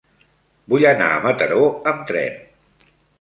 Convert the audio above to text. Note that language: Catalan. Vull anar a Mataró amb tren.